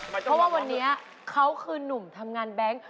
เพราะว่าวันนี้เขาคือนุ่มทำงานแบงค์